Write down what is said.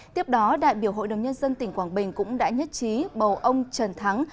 tiếp đó đại biểu hội đồng nhân dân tỉnh quảng bình cũng đã nhất trí bầu ông trần thắng